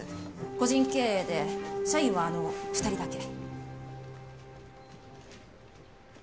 個人経営で社員はあの２人だけ。